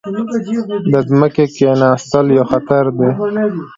د ځمکې کیناستل یو خطر دی.